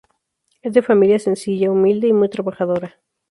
Es de familia sencilla, humilde y muy trabajadora.